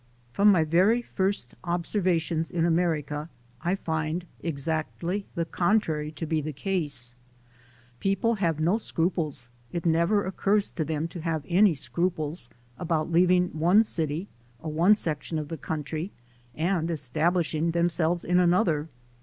From my very first observations in America, I find exactly the contrary to be the case. People have no scruples, it never occurs to them to have any scruples, about leaving one city or one section of the country and establishing themselves in another.